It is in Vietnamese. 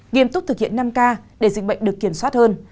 nghiêm túc thực hiện năm k để dịch bệnh được kiểm soát hơn